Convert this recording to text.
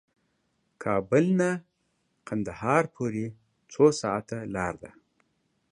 کابل نه قندهار پورې څو ساعته لار ده؟